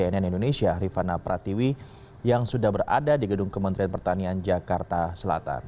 cnn indonesia rifana pratiwi yang sudah berada di gedung kementerian pertanian jakarta selatan